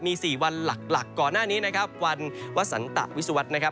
มี๔วันหลักก่อนหน้านี้นะครับวันวสันตะวิศวรรษนะครับ